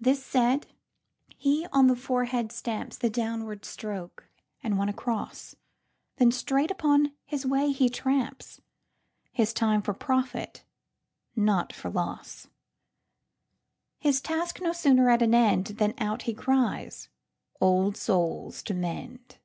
This said, he on the forehead stampsThe downward stroke and one across, Then straight upon his way he tramps; His time for profit, not for loss; His task no sooner at an endThan out he cries, "Old souls to mend!"